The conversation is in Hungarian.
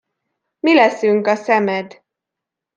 Mi leszünk a szemed.